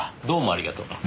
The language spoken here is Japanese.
どうもありがとう。